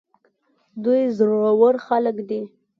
دوی زړه ور خلک دي.